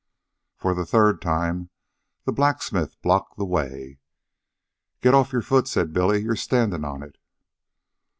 For the third time the blacksmith blocked the way. "Get off your foot," said Billy. "You're standin' on it."